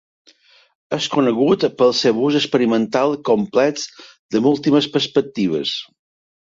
És conegut pel seu ús experimental complex de múltiples perspectives.